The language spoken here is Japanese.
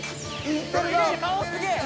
顔すげぇ。